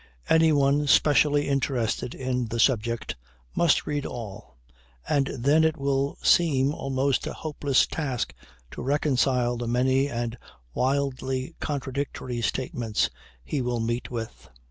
Any one specially interested in the subject must read all; and then it will seem almost a hopeless task to reconcile the many and widely contradictory statements he will meet with.